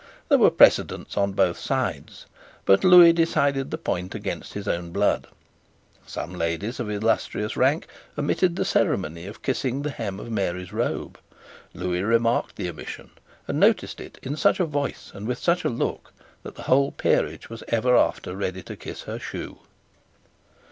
There were precedents on both sides: but Lewis decided the point against his own blood. Some ladies of illustrious rank omitted the ceremony of kissing the hem of Mary's robe. Lewis remarked the omission, and noticed it in such a voice and with such a look that the whole peerage was ever after ready to kiss her shoe.